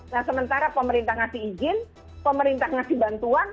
nah sementara pemerintah memberikan izin pemerintah memberikan bantuan